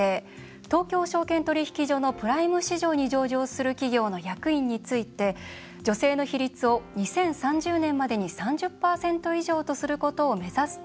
東京証券取引所のプライム市場に上場する企業の役員について女性の比率を２０３０年までに３０％以上とすることを目指すとしています。